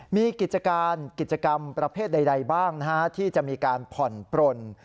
มีกิจการกิจกรรมประเภทใดบ้างที่จะมีการผ่อนปลน